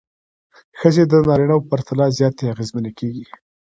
ښځې د نارینه وو پرتله زیات اغېزمنې کېږي.